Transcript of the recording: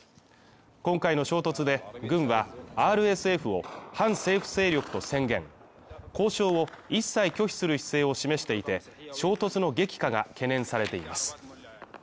今回の衝突で軍はＲＳＦを反政府勢力と宣言交渉を一切拒否する姿勢を示していて、衝突の激化が懸念されています。